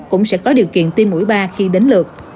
chẳng có điều kiện tiêm mũi ba khi đến lượt